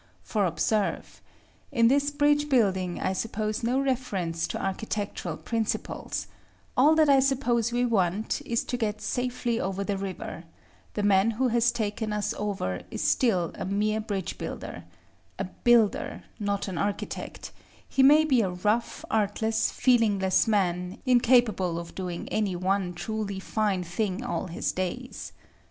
For observe: in this bridge building I suppose no reference to architectural principles; all that I suppose we want is to get safely over the river; the man who has taken us over is still a mere bridge builder, a builder, not an architect: he may be a rough, artless, feelingless man, incapable of doing any one truly fine thing all his days.